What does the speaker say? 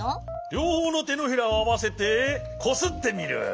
りょうほうのてのひらをあわせてこすってみる。